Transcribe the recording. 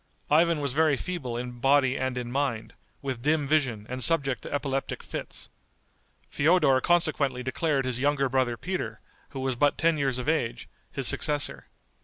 Ivan was very feeble in body and in mind, with dim vision, and subject to epileptic fits. Feodor consequently declared his younger brother Peter, who was but ten years of age, his successor.